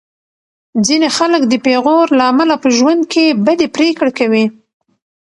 ځینې خلک د پېغور له امله په ژوند کې بدې پرېکړې کوي.